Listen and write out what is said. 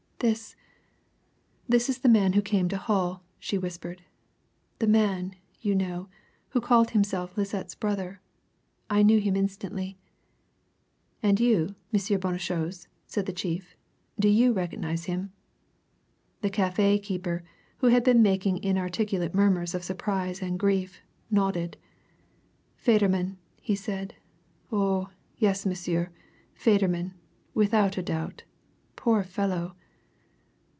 "This this is the man who came to Hull," she whispered. "The man, you know, who called himself Lisette's brother. I knew him instantly." "And you, M. Bonnechose?" said the chief. "Do you recognize him?" The cafe keeper, who had been making inarticulate murmurs of surprise and grief, nodded. "Federman!" he said. "Oh, yes, monsieur Federman, without doubt. Poor fellow!"